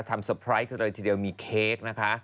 เตอร์ไพรส์กันเลยทีเดียวมีเค้กนะคะ